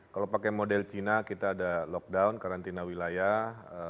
kalau pakai model cina kita ada lockdown karantina wilayah